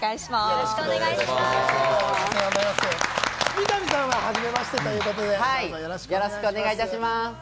三上さんははじめましてということで、よろしくお願いします。